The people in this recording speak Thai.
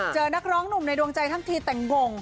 นักร้องหนุ่มในดวงใจทั้งทีแต่งง